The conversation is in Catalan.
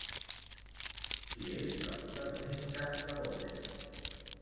Qui és la protagonista de l'òpera?